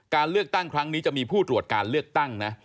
การเลือกตั้งครั้งนี้จะมีผู้ตรวจการเลือกตั้งนะ